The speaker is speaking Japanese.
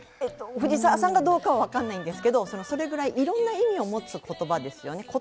藤澤さんがどうかは分からないんですけれどもいろんな意味を持つ言葉ですよね。